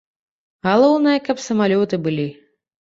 Галоўнае, каб самалёты былі.